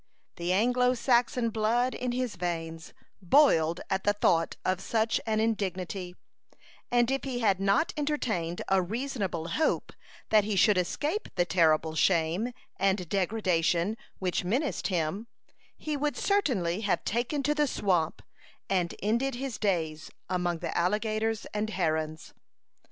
The Anglo Saxon blood in his veins boiled at the thought of such an indignity, and if he had not entertained a reasonable hope that he should escape the terrible shame and degradation which menaced him, he would certainly have taken to the swamp, and ended his days among the alligators and herons.